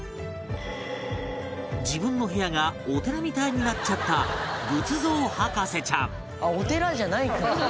自分の部屋がお寺みたいになっちゃった仏像博士ちゃんお寺じゃないんだ？